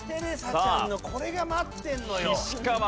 ちゃんのこれが待ってるのよ。